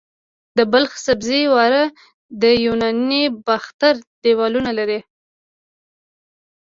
د بلخ د سبزې وار د یوناني باختر دیوالونه لري